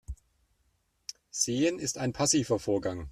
Sehen ist ein passiver Vorgang.